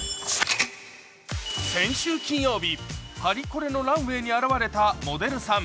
先週金曜日、パリコラのランウェイに現れたモデルさん。